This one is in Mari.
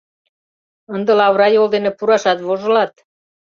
Ынде лавыра йол дене пурашат вожылат.